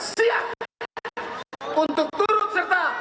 siap untuk turut serta